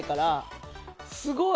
すごい！